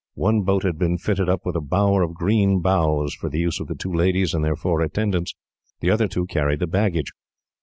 One boat had been fitted up with a bower of green boughs, for the use of the two ladies and their four attendants. The other two carried the baggage.